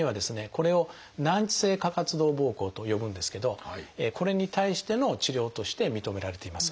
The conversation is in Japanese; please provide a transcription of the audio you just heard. これを「難治性過活動ぼうこう」と呼ぶんですけどこれに対しての治療として認められています。